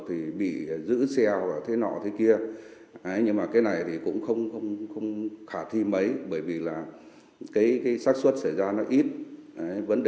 thì bị rủ dê vào các sầm sới bạc nào ở các huyện hoặc là các tỉnh lân cận